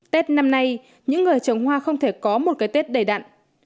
tết năm nay những người trồng hoa không thể có một cái tết đầy đặn